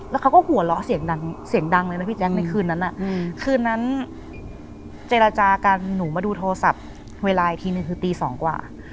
แล้วเขาก็หัวเราะเสียงดังเสียงดังเลยนะพี่แจ๊คในคืนนั้นคืนนั้นเจรจากันหนูมาดูโทรศัพท์เวลาอีกทีนึงคือตีสองกว่า